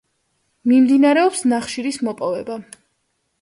მიმდინარეობს ნახშირის მოპოვება.